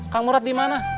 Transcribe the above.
kang murad di mana